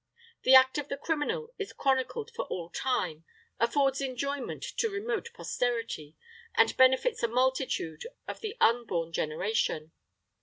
The act of the criminal is chronicled for all time, affords enjoyment to remote posterity, and benefits a multitude of the unborn generation.